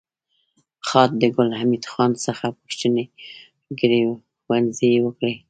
خاد د ګل حمید خان څخه پوښتنې ګروېږنې وکړې